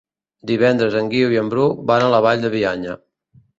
Divendres en Guiu i en Bru van a la Vall de Bianya.